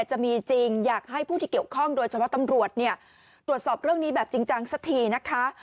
แล้วจะจะมีจริงอยากให้ผู้ที่เกี่ยวข้องโดยสำหรับตำรวจเนี่ยตรวจสอบเรื่องนี้แบบจริงสักทีนะคะ